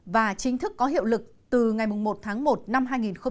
và chính thức có hiệu lực từ ngày một tháng một năm hai nghìn một mươi chín